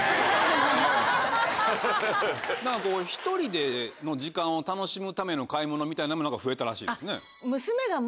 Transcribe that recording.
１人での時間を楽しむための買い物みたいなのも増えたらしいですね。